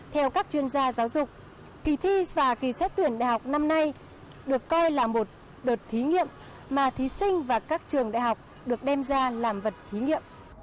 theo các chuyên gia giáo dục kỳ thi và kỳ xét tuyển đại học năm nay được coi là một đợt thí nghiệm mà thí sinh và các trường đại học được đem ra làm vật thí nghiệm